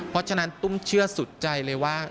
เพราะฉะนั้นตุ้มเชื่อสุดใจเลยว่า